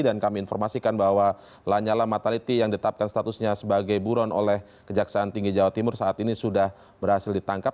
dan kami informasikan bahwa lanyala mataliti yang ditetapkan statusnya sebagai buron oleh kejaksaan tinggi jawa timur saat ini sudah berhasil ditangkap